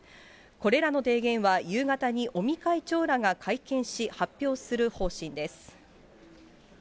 これらの提言は、夕方に尾身会長らが会見し、発表する方針です。